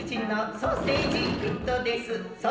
ソーセージフィット。